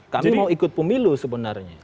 kami mau ikut pemilu sebenarnya